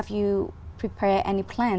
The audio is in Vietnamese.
và chúng tôi rất vui